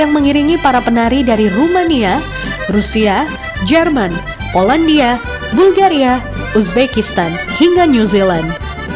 dan juga mengiringi para penari dari rumania rusia jerman polandia bulgaria uzbekistan hingga new zealand